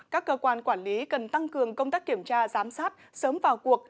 các cơ quan quản lý cần tăng cường công tác kiểm tra giám sát sớm vào cuộc